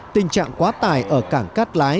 tình trạng quá tài ở cảng cát lái